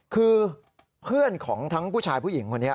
คือเพื่อนของทั้งผู้ชายผู้หญิงคนนี้